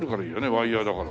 ワイヤだから。